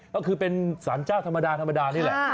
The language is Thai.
ก็คือสารเจ้าธรรมดานี่แหละ